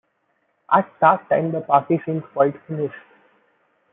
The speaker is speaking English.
At that time the party seemed quite finished.